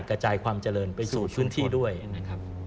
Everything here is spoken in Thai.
กระจายความเจริญไปสู่พื้นที่ด้วยนะครับ